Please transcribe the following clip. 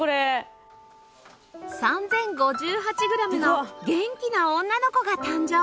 ３０５８グラムの元気な女の子が誕生